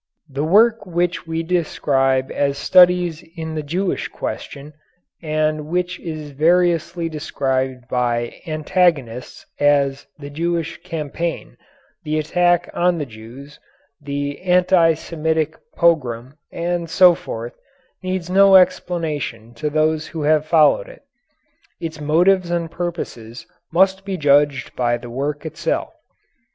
The work which we describe as Studies in the Jewish Question, and which is variously described by antagonists as "the Jewish campaign," "the attack on the Jews," "the anti Semitic pogrom," and so forth, needs no explanation to those who have followed it. Its motives and purposes must be judged by the work itself.